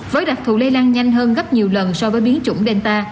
với đặc thù lây lan nhanh hơn gấp nhiều lần so với biến chủng delta